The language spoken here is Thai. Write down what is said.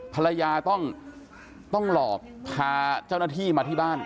ภรรยาต้องหลอกพาเจ้าหน้าที่มาที่บ้าน